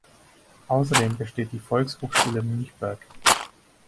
Außerdem besteht die Volkshochschule Münchberg.